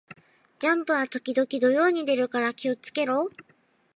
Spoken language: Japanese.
ジャンプは時々土曜に出るから気を付けろ